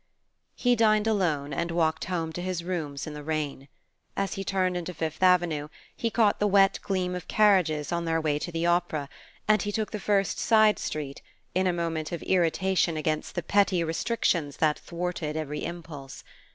II He dined alone and walked home to his rooms in the rain. As he turned into Fifth Avenue he caught the wet gleam of carriages on their way to the opera, and he took the first side street, in a moment of irritation against the petty restrictions that thwarted every impulse.